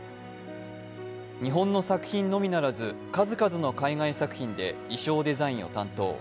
日本の作品のみならず数々の海外作品で衣装デザインを担当。